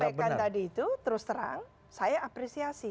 apa yang disampaikan tadi itu terus terang saya apresiasi